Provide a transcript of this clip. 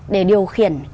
để điều khiển